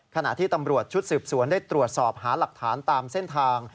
ขณะที่ตำรวจชุดสืบสวนได้ตรวจสอบหาหลักฐานตามเส้นทาง